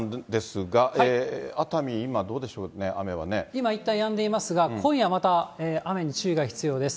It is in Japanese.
今いったんやんでいますが、今夜また、雨に注意が必要です。